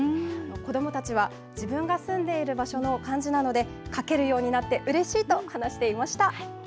子どもたちは自分が住んでいる場所の漢字なので書けるようになってうれしいと話していました。